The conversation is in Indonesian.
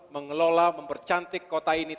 mengelola mempercantik kota ini